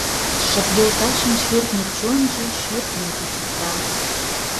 Шып йолташын шӧртньӧ чонжо Шӧртньым кучыкта.